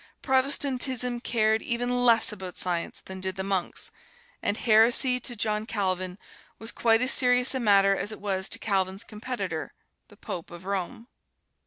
Protestantism cared even less about Science than did the monks, and "heresy" to John Calvin was quite as serious a matter as it was to Calvin's competitor, the Pope of Rome.